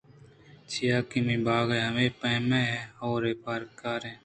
چیاکہ مئے باغءَ ہمے پیمیں ہورے پکّاریں